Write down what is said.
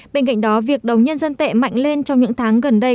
bên cạnh đó việc đồng nhân dân tệ mạnh lên trong những tháng gần đây